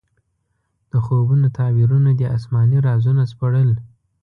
د خوبونو تعبیرونه دې اسماني رازونه سپړل.